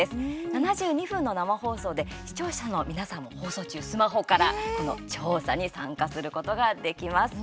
７２分の生放送で視聴者の皆さんも放送中スマホからこの調査に参加することができます。